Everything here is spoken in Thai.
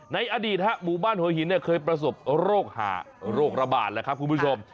ในอดีตหมู่บ้านหัวหินเคยประสบโรคหาโรคระบาดแล้วครับคุณผู้ชม